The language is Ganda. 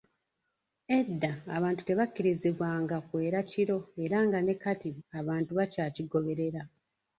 Edda abantu tebakkirizibwanga kwera kiro era nga ne kati abantu bakyakigoberera.